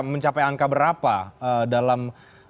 mencapai angka berapa dalam